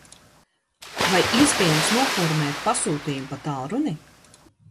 Vai iespējams noformēt pasūtījumu pa tālruni?